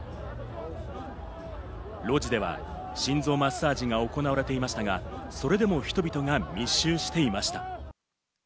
路地では心臓マッサージが行われていましたが、それでも人々が密集していました。